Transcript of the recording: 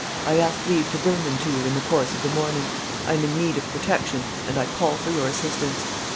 I ask leave to bring them to you in the course of the morning. I am in need of protection and I call for your assistance.